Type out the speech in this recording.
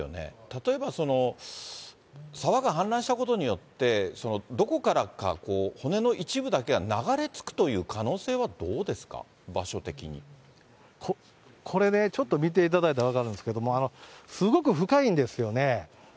例えば、沢が氾濫したことによって、どこからか骨の一部だけが流れ着くという可能性はどうですか、これね、ちょっと見ていただいたら分かるんですけれども、すごく深いんですよね。